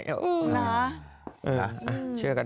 อืมนะเออเชื่อก็ได้เอาล่ะเชื่อก็ได้